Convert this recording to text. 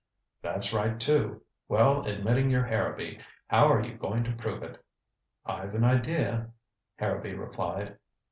"That's right, too. Well, admitting you're Harrowby, how are you going to prove it?" "I've an idea," Harrowby replied.